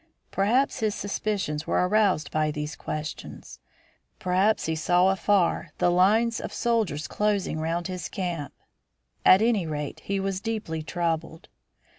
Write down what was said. Perhaps his suspicions were aroused by the questions; perhaps he saw afar the lines of soldiers closing round his camp at any rate he was deeply troubled.